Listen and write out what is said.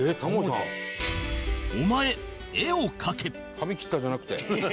「“髪切った？”じゃなくて？」